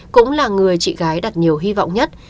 cũng là người chị gái đặt nhiều hy vọng nhất